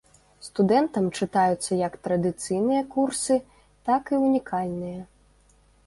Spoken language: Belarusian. Студэнтам чытаюцца як традыцыйныя курсы, так і ўнікальныя.